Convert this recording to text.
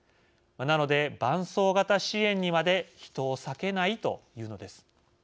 なので、伴走型支援にまで人を割けないというのです。